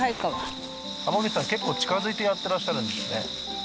天口さん結構近づいてやってらっしゃるんですね